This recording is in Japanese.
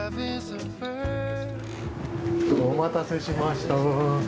お待たせしました。